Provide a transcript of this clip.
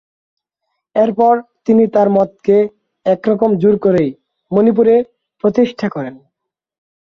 এরপর তিনি তার মতকে একরকম জোর করেই মণিপুরে প্রতিষ্ঠা করেন।